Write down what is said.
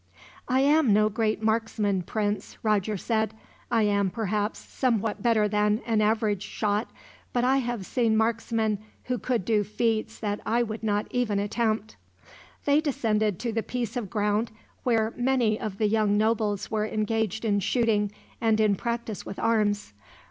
"I am no great marksman, Prince," Roger said. "I am perhaps somewhat better than an average shot, but I have seen marksmen who could do feats that I would not even attempt." They descended to the piece of ground, where many of the young nobles were engaged in shooting, and in practice with arms.